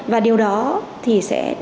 và điều đó sẽ đổi mới